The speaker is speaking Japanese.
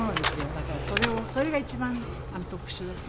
だからそれが一番特殊ですね。